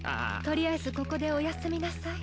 取りあえずここでお休みなさい。